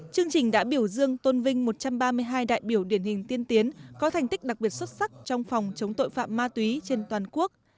chương trình đã biểu dương tôn vinh một trăm ba mươi hai đại biểu điển hình tiên tiến có thành tích đặc biệt xuất sắc trong phòng chống tội phạm ma túy trên toàn quốc